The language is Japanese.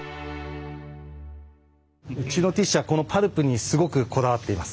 うちのティッシュはこのパルプにすごくこだわっています。